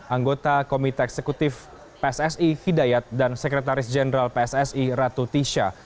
anggota komite eksekutif pssi hidayat dan sekretaris jenderal pssi ratu tisha